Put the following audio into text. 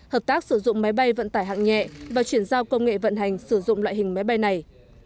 hợp tác sử dụng máy bay vận tải hạng nhẹ và chuyển giao công nghệ vận hành sử dụng loại hình máy bay này